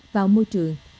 vào môi trường